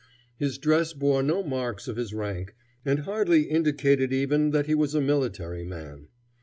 His dress bore no marks of his rank, and hardly indicated even that he was a military man.